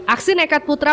aksi nekat putra